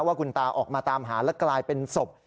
ว่าคุณตาออกมาตามหาแล้วกลายเป็นศพ